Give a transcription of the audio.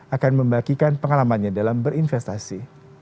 akan membagikan pengalamannya dalam berinvestasi